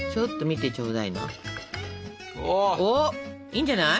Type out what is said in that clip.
いいんじゃない？